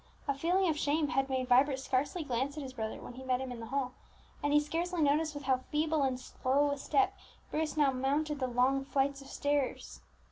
A feeling of shame had made Vibert scarcely glance at his brother when he met him in the hall, and he scarcely noticed with how feeble and slow a step Bruce now mounted the long flights of stairs.